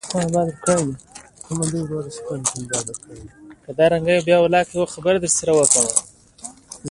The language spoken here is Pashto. ګیري او کسان یې بېرته خپلو کارونو ته ستانه شول